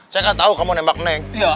saya nggak tahu kamu nembak neng